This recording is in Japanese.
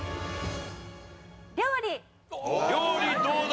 料理どうだ？